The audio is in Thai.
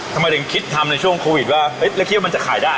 ทำไมถึงคิดทำในช่วงโควิดว่าเฮ้ยแล้วคิดว่ามันจะขายได้